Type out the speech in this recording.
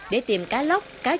để tìm cá lóc cá trắng cá mẹ vinh